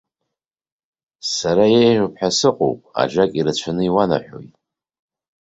Сара еиӷьуп ҳәа сыҟоуп, ажәак ирацәаны иуанаҳәоит.